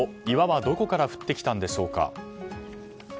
岩はどこから降ってきたんでしょうか。